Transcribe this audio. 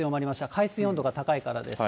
海水温度が高いからです。